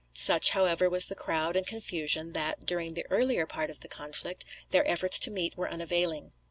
Such, however, was the crowd and confusion that, during the earlier part of the conflict, their efforts to meet were unavailing.